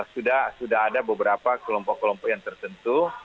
sudah ada beberapa kelompok kelompok yang tertentu